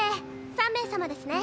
３名様ですね。